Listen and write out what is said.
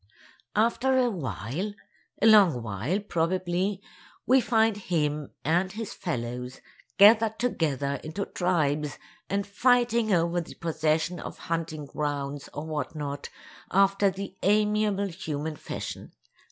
After a while—a long while, probably—we find him and his fellows gathered together into tribes and fighting over the possession of hunting grounds or what not, after the amiable human fashion.